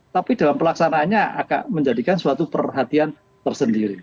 tapi dalam pelaksanaannya akan menjadikan suatu perhatian tersendiri